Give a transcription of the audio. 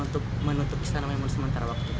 untuk menutup istana maimun sementara waktu